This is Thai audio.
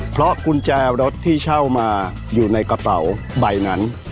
เพราะกุญแจรถที่เช่ามาอยู่ในกระเป๋าใบนั้น